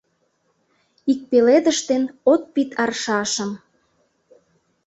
«Ик пеледыш ден от пид аршашым...»